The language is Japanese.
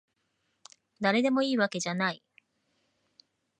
だれでもいいわけじゃない